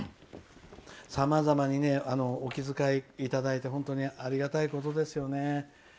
さまざまにお気遣いいただいて本当にありがたいことですね。